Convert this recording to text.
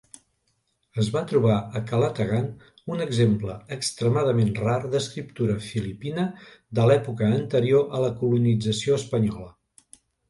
Es va trobar a Calatagan un exemple extremadament rar d'escriptura filipina de l'època anterior a la colonització espanyola.